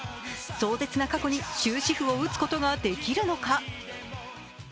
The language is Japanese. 壮絶な過去に終止符を打つことができるのか。